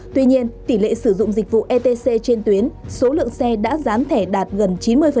tuy nhiên tỷ lệ sử dụng dịch vụ etc trên tuyến số lượng xe đã dán thẻ đạt gần chín mươi